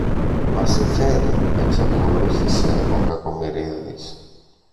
Μας συμφέρει, εξακολούθησε ο Κακομοιρίδης.